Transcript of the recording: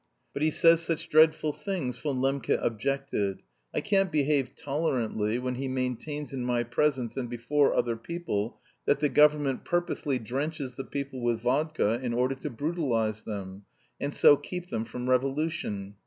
"But he says such dreadful things," Von Lembke objected. "I can't behave tolerantly when he maintains in my presence and before other people that the government purposely drenches the people with vodka in order to brutalise them, and so keep them from revolution.